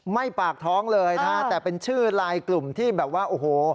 ปากท้องเลยนะฮะแต่เป็นชื่อลายกลุ่มที่แบบว่าโอ้โห